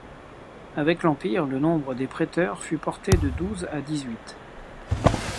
Avec l'empire, le nombre des préteurs fut porté de douze à dix-huit.